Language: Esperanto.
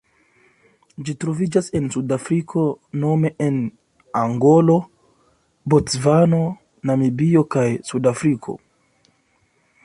Ĝi troviĝas en Suda Afriko nome en Angolo, Bocvano, Namibio kaj Sudafriko.